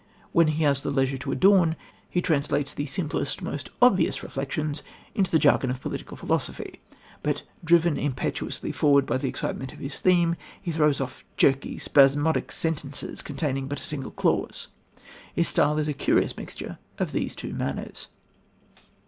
When he has leisure to adorn, he translates the simplest, most obvious reflections into the "jargon" of political philosophy, but, driven impetuously forward by the excitement of his theme, he throws off jerky, spasmodic sentences containing but a single clause. His style is a curious mixture of these two manners.